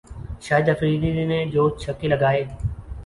شاہد آفریدی نے دو چھکے لگائے